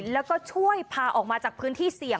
และก็จับกลุ่มฮามาสอีก๒๖คน